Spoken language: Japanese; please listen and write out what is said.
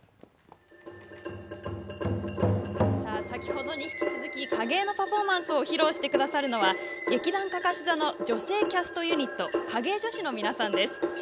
先ほどに引き続き影絵のパフォーマンスを披露してくださるのは劇団かかし座の女性キャストユニット影絵女子の皆さんです。